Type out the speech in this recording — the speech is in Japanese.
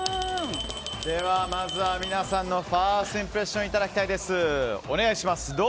まずは皆さんのファーストインプレッションいただきたいです。